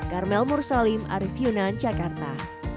carmel mursalim arif yunan jakarta